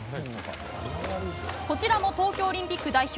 こちらも東京オリンピック代表